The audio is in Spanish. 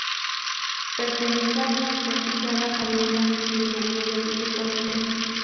Pertenecía a una prestigiada familia limeña de origen colonial.